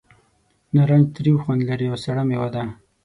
نارنج تریو خوند لري او سړه مېوه ده.